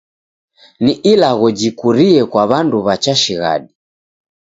Ni ilagho jikurie kwa w'andu w'a cha shighadi.